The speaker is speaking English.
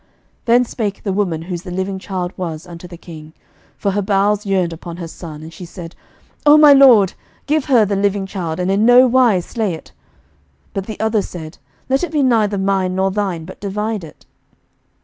11:003:026 Then spake the woman whose the living child was unto the king, for her bowels yearned upon her son, and she said, O my lord, give her the living child, and in no wise slay it. But the other said, Let it be neither mine nor thine, but divide it.